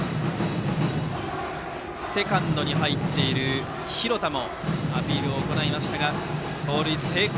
セカンドに入っている廣田アピールを行いましたが盗塁成功。